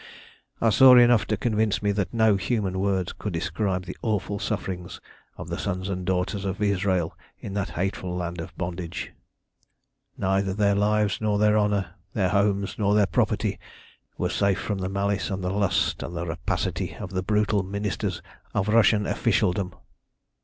"I saw enough to convince me that no human words could describe the awful sufferings of the sons and daughters of Israel in that hateful land of bondage. "Neither their lives nor their honour, their homes nor their property, were safe from the malice and the lust and the rapacity of the brutal ministers of Russian officialdom.